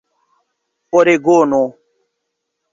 oregono